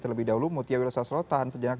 terlebih dahulu mutiawilo sasro tahan sejenak